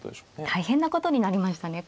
大変なことになりましたね。